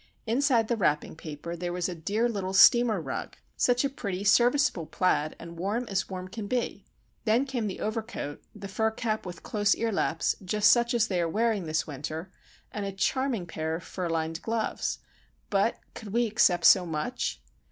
Inside the wrapping paper there was a dear little steamer rug;—such a pretty, serviceable plaid, and warm as warm can be. Then came the overcoat, the fur cap with close ear laps, just such as they are wearing this winter, and a charming pair of fur lined gloves! But,—could we accept so much?